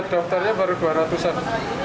dokternya baru dua ratus an